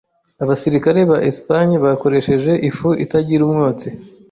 Abasirikare ba Espagne bakoresheje ifu itagira umwotsi.